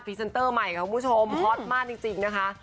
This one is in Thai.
เซนเตอร์ใหม่ค่ะคุณผู้ชมฮอตมากจริงนะคะ